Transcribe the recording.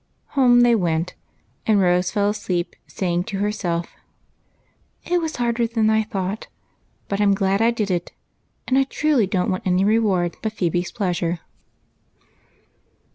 Home they went ; and Rose fell asleejD saying to herself, " It was harder than I thought, but I 'm glad I did it, and I truly don't want any reward but Phebe's pleasure."